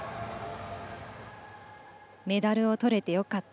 メダルをとれてよかった。